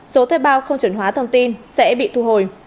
số thuê bao không chuẩn hóa thông tin sẽ bị thu hồi